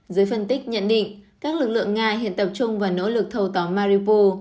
dưới phân tích nhận định các lực lượng nga hiện tập trung vào nỗ lực thâu tóa maribor